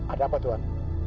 ada apa tuhan